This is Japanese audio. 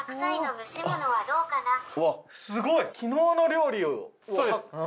すごい昨日の料理をそうです